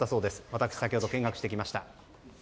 私、先ほど見学してきました。